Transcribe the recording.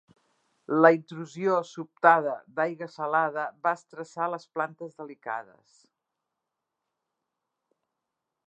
La intrusió sobtada d'aigua salada va estressar les plantes delicades.